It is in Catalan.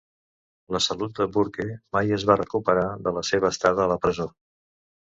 La salut de Burke mai es va recuperar de la seva estada a la presó.